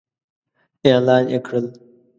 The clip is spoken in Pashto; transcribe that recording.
اعلان يې کړل.